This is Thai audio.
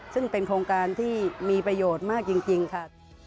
ซึ่งเป็นโครงการที่มีประโยชน์มากจริงค่ะ